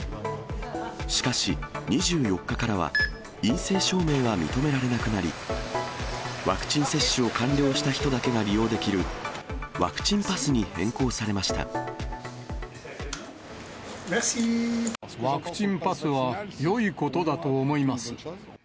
しかし、２４日からは、陰性証明は認められなくなり、ワクチン接種を完了した人だけが利用できるワクチンパスに変更さワクチンパスは、よいことだと思います。